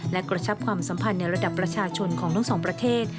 และกระชับความสัมพันธ์ในระดับประชาชนของทั้งสองประเทศ